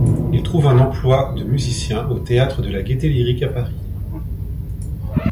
Il trouve un emploi de musicien au théâtre de la Gaîté-Lyrique à Paris.